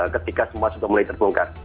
ketika semua sudah mulai terbongkar